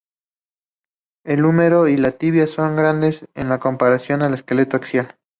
El húmero y la tibia son grandes en comparación al esqueleto axial.